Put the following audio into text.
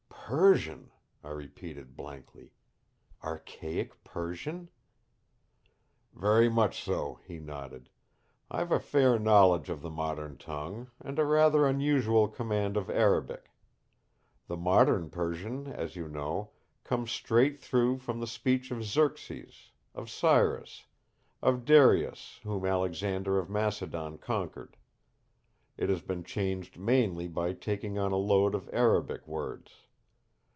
"Persian," I repeated blankly; "archaic Persian?" "Very much so," he nodded. "I've a fair knowledge of the modern tongue, and a rather unusual command of Arabic. The modern Persian, as you know, comes straight through from the speech of Xerxes, of Cyrus, of Darius whom Alexander of Macedon conquered. It has been changed mainly by taking on a load of Arabic words.